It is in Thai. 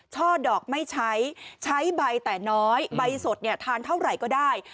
ช่อดอกไม่ใช้ใช้ใบแต่น้อยใบสดเนี่ยทานเท่าไหร่ก็ได้